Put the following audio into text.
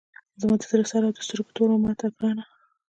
زما د زړه سر او د سترګو توره ماته ګرانه!